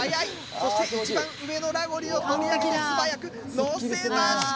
そして一番上のラゴリを素早くのせました！